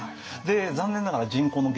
残念ながら人口の減少